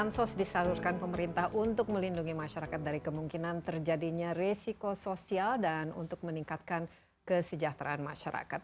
bansos disalurkan pemerintah untuk melindungi masyarakat dari kemungkinan terjadinya resiko sosial dan untuk meningkatkan kesejahteraan masyarakat